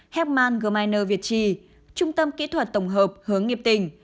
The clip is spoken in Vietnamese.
hepman g miner việt trì trung tâm kỹ thuật tổng hợp hướng nghiệp tỉnh